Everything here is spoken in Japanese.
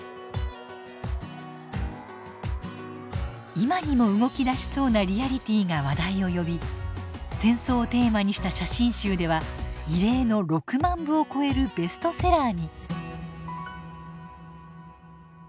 今にも動きだしそうなリアリティーが話題を呼び戦争をテーマにした写真集では異例の６万部を超えるベストセラーに。